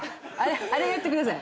あれやってください。